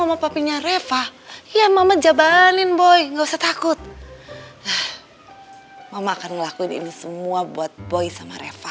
sama papinya reva ya mama jabalin boy nggak usah takut mama akan ngelakuin ini semua buat boy sama reva